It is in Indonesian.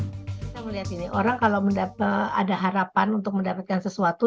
kita melihat gini orang kalau ada harapan untuk mendapatkan sesuatu